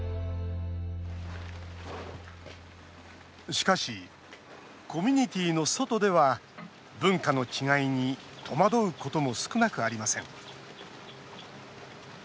しかし、コミュニティーの外では文化の違いに戸惑うことも少なくありません。